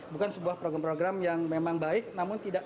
bukan sebuah program program yang memang baik